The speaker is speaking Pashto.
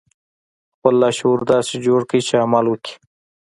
خپل لاشعور داسې جوړ کړئ چې عمل وکړي